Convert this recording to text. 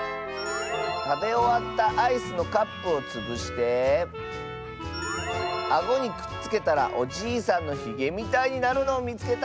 たべおわったアイスのカップをつぶしてあごにくっつけたらおじいさんのひげみたいになるのをみつけた！